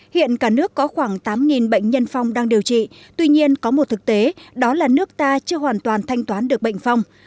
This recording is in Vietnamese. hiện cả nước có khoảng tám bệnh nhân phong đang điều trị tuy nhiên có một thực tế đó là nước ta chưa hoàn toàn thanh toán được bệnh phong